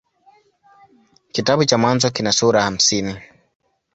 Kitabu cha Mwanzo kina sura hamsini.